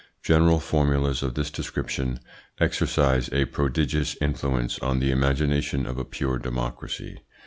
General formulas of this description exercise a prodigious influence on the imagination of a pure democracy.